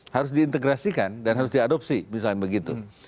harus diintegrasikan dan harus diadopsi misalnya begitu